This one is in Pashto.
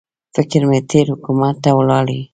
فکر مې تېر حکومت ته ولاړی.